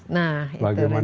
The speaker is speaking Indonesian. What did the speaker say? nah itu resiliens